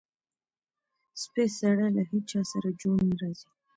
سپی سړی له هېچاسره جوړ نه راځي.